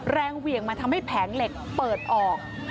เหวี่ยงมาทำให้แผงเหล็กเปิดออก